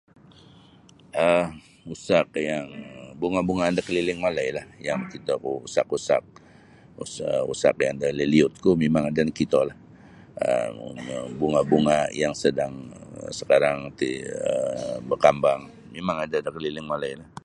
um usak yang bunga'-bunga'an da kaliling walailah yang makitoku usak-usak usa usak yang da liliutku mimang ada nakitolah um. Bunga'-bunga' yang sedang sakarang ti bakambang mimang ada da kaliling walai.